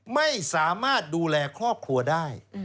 ไม่สามารถดูแลครอบครัวได้